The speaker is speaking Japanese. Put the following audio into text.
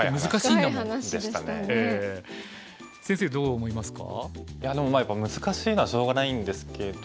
いやでも難しいのはしょうがないんですけど。